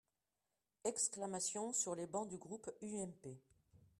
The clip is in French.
Exclamations sur les bancs du groupe UMP.